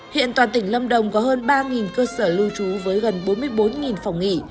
hiện toàn tỉnh lâm đồng có hơn ba cơ sở lưu trú với gần bốn mươi bốn phòng nghỉ